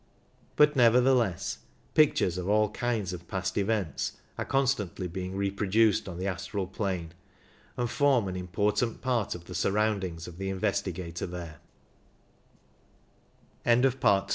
But nevertheless pictures of all kinds of past events are constantly being reproduced on the astral plane, and form an important part of the surroundings of the investigator